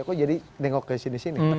kok jadi nengok ke sini sini